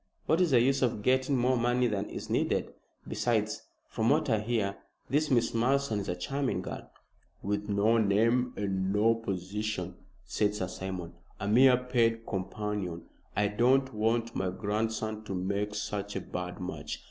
What is the use of getting more money than is needed? Besides, from what I hear, this Miss Malleson is a charming girl." "With no name and no position," said Sir Simon, "a mere paid companion. I don't want my grandson to make such a bad match.